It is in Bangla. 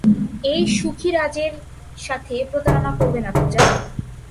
এই সুখী রাজের সাথে, প্রতারণা করবে না, পূজা।